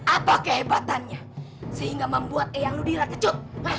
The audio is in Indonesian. apa kehebatannya sehingga membuat eyang ludira tecut